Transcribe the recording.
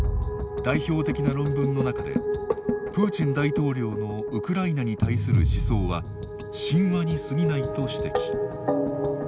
代表的な論文の中でプーチン大統領のウクライナに対する思想は神話に過ぎないと指摘。